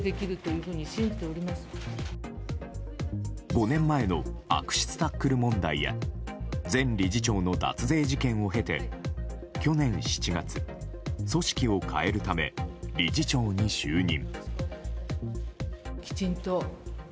５年前の悪質タックル問題や前理事長の脱税事件を経て去年７月、組織を変えるため理事長に就任。